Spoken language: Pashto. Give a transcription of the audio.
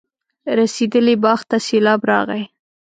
رسېدلي باغ ته سېلاب راغی.